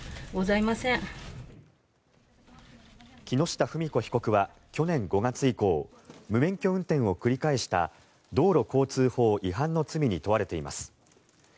木下富美子被告は去年５月以降無免許運転を繰り返した道路交通法違反の罪に問われています。